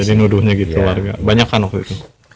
jadi nuduhnya gitu warga banyak kan waktu itu